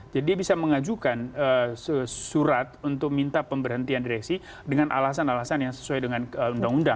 jadi dia bisa mengajukan surat untuk minta pemberhentian direksi dengan alasan alasan yang sesuai dengan undang undang